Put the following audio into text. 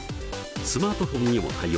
スマートフォンにも対応。